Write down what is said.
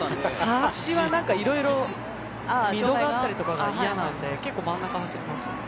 端はいろいろ溝があったりとかで嫌なんで結構真ん中走ります。